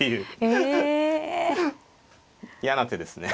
嫌な手ですね。